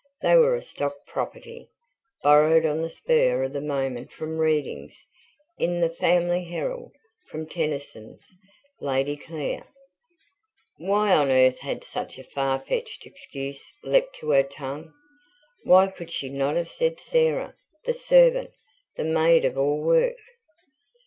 They were a stock property, borrowed on the spur of the moment from readings in THE FAMILY HERALD, from Tennyson's LADY CLARE. Why on earth had such a far fetched excuse leapt to her tongue? Why could she not have said Sarah, the servant, the maid of all work?